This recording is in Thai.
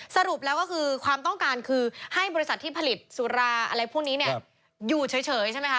สรุปแล้วก็คือความต้องการคือให้บริษัทที่ผลิตสุราอะไรพวกนี้เนี่ยอยู่เฉยใช่ไหมคะ